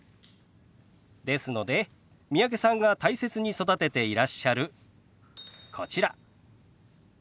ですので三宅さんが大切に育てていらっしゃるこちら。